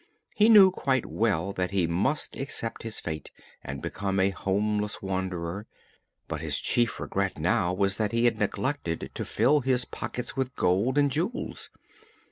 He knew quite well that he must accept his fate and become a homeless wanderer, but his chief regret now was that he had neglected to fill his pockets with gold and jewels.